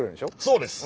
そうです。